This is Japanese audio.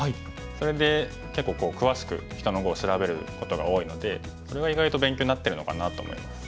それで結構詳しく人の碁を調べることが多いのでそれが意外と勉強になってるのかなと思います。